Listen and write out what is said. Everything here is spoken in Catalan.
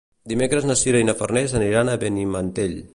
Dimecres na Sira i na Farners aniran a Benimantell.